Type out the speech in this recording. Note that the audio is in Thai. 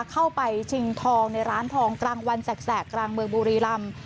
เข้าไปชิงทองในร้านทองกลางวันแสกกลางเมืองบุรีรำ